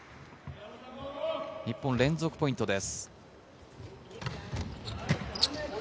日本連続ポイントです。